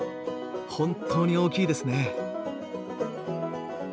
本当に大きいですね。